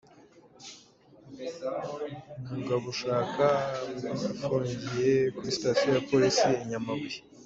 Mugabushaka afungiye kuri sitasiyo ya Polisi i Nyamabuye.